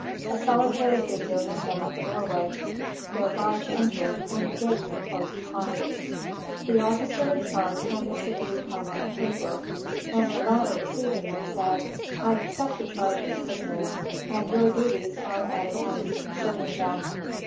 A solitary figure met them at the doorway. Their guards entered, and the gates were closed behind. The officer in charge handed to the newcomer a paper; and the latter, receiving it, said, "I accept the charge of the prisoners, and your duties are at an end, concerning them."